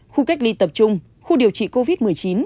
khu cách ly tập trung khu điều trị covid một mươi chín